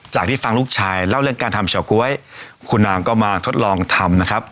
ที่ฟังลูกชายเล่าเรื่องการทำเฉาก๊วยคุณนางก็มาทดลองทำนะครับ